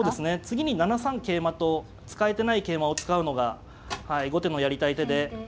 次に７三桂馬と使えてない桂馬を使うのが後手のやりたい手で。